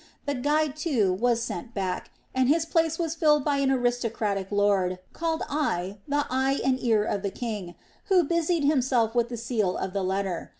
The guide, too, was sent back, and his place was filled by an aristocratic lord, called I the 'eye and ear of the king,' who busied himself with the seal of the letter.